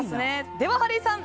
ではハリーさん